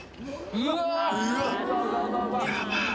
・うわ！